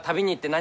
何？